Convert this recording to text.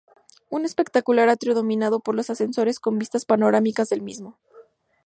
Un espectacular atrio dominado por los ascensores con vistas panorámicas del mismo.